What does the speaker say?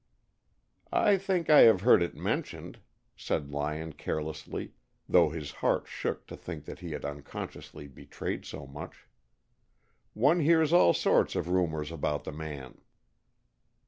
"I think I have heard it mentioned," said Lyon carelessly, though his heart shook to think he had unconsciously betrayed so much. "One hears all sorts of rumors about the man."